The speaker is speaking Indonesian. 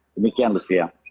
demikian lu sia